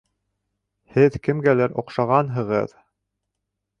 Һеҙ кемгәлер оҡшағанһығыҙ!